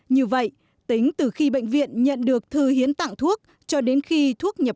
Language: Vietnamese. như vậy tính từ khi bệnh viện nhập kho lô thuốc trên tính đến thời điểm này hạn sử dụng của lô thuốc chỉ còn một mươi tháng